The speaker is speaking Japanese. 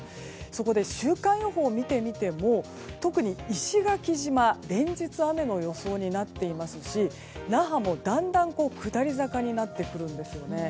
そこで、週間予報を見てみても特に石垣島は連日、雨の予想になっていますし那覇もだんだんと下り坂になってくるんですね。